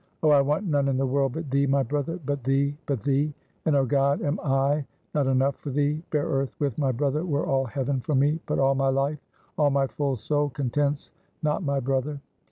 "Oh, I want none in the world but thee, my brother but thee, but thee! and, oh God! am I not enough for thee? Bare earth with my brother were all heaven for me; but all my life, all my full soul, contents not my brother."